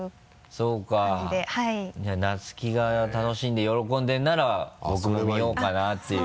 そうかじゃあ「菜月が楽しんで喜んでるなら僕も見ようかな」っていう。